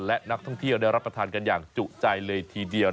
และนักท่องเที่ยวได้รับประทานกันอย่างจุใจเลยทีเดียว